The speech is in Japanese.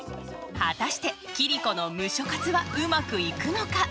果たして桐子のムショ活はうまくいくのか？